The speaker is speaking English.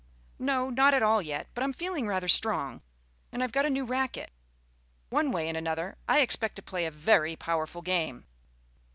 "No, not at all yet, but I'm feeling rather strong, and I've got a new racquet. One way and another, I expect to play a very powerful game."